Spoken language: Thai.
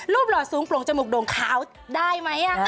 รูปหลอดสูงปลงจมูกโดงขาวได้ไหม